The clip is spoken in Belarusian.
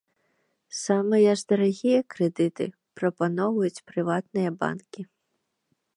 Самыя ж дарагія крэдыты прапаноўваюць прыватныя банкі.